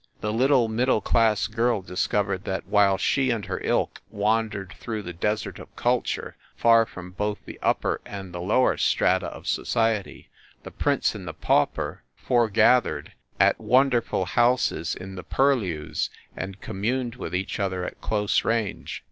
The lit tle middle class girl discovered that while she and her ilk wandered through the desert of culture far from both the upper and the lower strata of society, the prince and the pauper foregathered at wonderful THE REPORTER OF "THE ITEM." 107 houses in the purlieus and communed with each other at close range.